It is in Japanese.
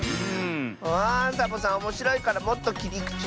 あサボさんおもしろいからもっときりくちみせて。